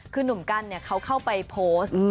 คือหนุ่มกั้นเขาเข้าไปโพสต์